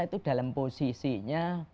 itu dalam posisinya